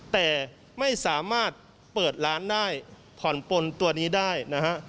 แต่ไม่สามารถเปิดร้านได้ผ่อนปนตัวนี้ได้นะฮะ